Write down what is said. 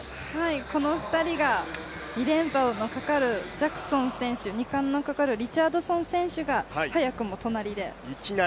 この２人が、２連覇のかかるジャクソン選手、２冠のかかるリチャードソン選手が早くも隣で。